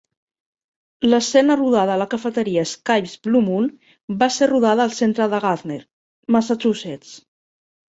L'escena rodada a la cafeteria Skip"s Blue Moon va ser rodada al centre de Gardner, Massachusetts.